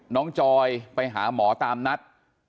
จอยไปหาหมอตามนัด